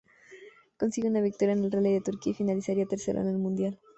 Consigue una victoria en el Rally de Turquía y finalizaría tercero en el mundial.